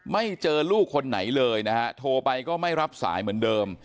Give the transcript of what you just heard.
ไม่เจอลูกคนไหนเลยนะฮะโทรไปก็ไม่รับสายเหมือนเดิม